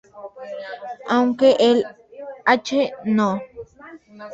Aunque el Hno.